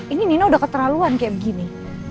ini nino udah keterlaluan kayak begini